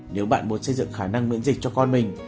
nếu bạn muốn xây dựng khả năng miễn dịch cho con mình